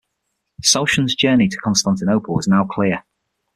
Souchon's journey to Constantinople was now clear.